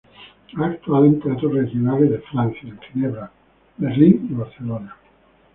Ha actuado en teatros regionales de Francia, en Ginebra, Berlín y Barcelona.